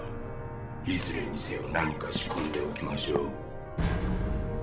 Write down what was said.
いずれにせよ何か仕込んでおきましょう。